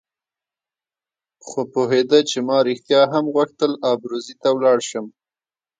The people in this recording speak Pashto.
خو پوهېده چې ما رښتیا هم غوښتل ابروزي ته ولاړ شم.